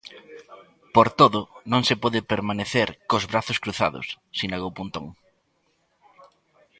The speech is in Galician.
Por todo, non se pode permanecer "cos brazos cruzados", sinalou Pontón.